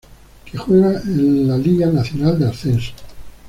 Que juega en la Liga Nacional de Ascenso.